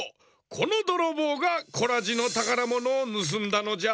このどろぼうがコラジのたからものをぬすんだのじゃ。